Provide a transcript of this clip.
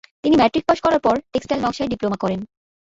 তিনি matric pass করার পর টেক্সটাইল নকশায় ডিপ্লোমা করেন।